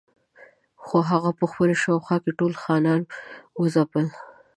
خو هغه په خپله شاوخوا کې ټول خانان وځپل.